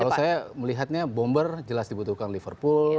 kalau saya melihatnya bomber jelas dibutuhkan liverpool